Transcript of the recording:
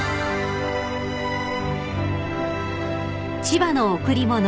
［『千葉の贈り物』